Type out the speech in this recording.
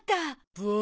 ボー。